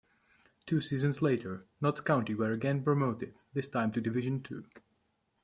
Two seasons later, Notts County were again promoted, this time to Division Two.